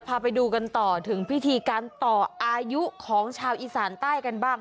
พาไปดูกันต่อถึงพิธีการต่ออายุของชาวอีสานใต้กันบ้าง